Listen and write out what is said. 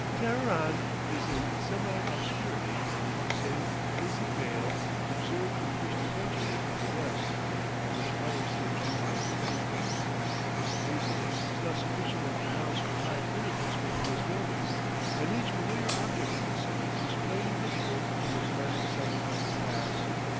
Teheran is in semi obscurity beneath the same hazy veil observed when first approaching it from the west, and which always seems to hover over it. This haziness is not sufficiently pronounced to hide any conspicuous building, and each familiar object in the city is plainly visible from the commanding summit of the pass.